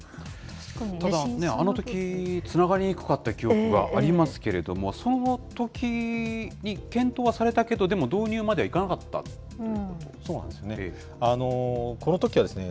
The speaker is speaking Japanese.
あのときつながりにくかった記憶がありますけれども、そのときに検討はされたけど、でも導入まではいかなかったということですか。